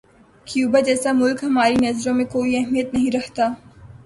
Cuba جیسا ملک ہماری نظروں میں کوئی اہمیت نہیں رکھتا۔